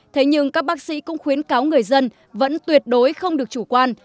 thế nhưng các bác sĩ cũng khuyến cáo người dân vẫn tuyệt đối không được chủ quan